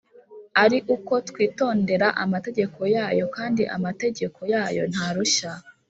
ari uko twitondera amategeko yayo kandi amategeko yayo ntarushya,